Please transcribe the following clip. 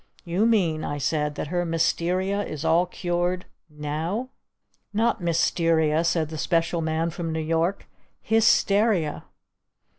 "You mean " I said, "that her Mysteria is all cured now?" "Not _Mys_teria," said the Special Man from New York, _"Hys_teria!"